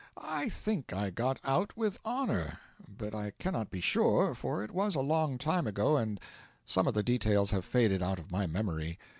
I think I got out with honour, but I cannot be sure, for it was a long time ago and some of the details have faded out of my memory.